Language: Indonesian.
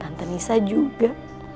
tante nisa juga